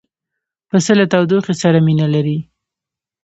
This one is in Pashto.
پسه له تودوخې سره مینه لري.